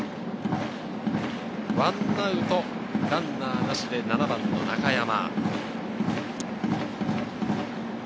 １アウトランナーなしで７番・中山。